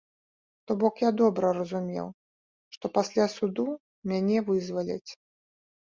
То бок я добра разумеў, што пасля суду мяне вызваляць.